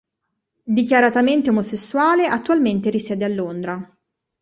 Dichiaratamente omosessuale, attualmente risiede a Londra.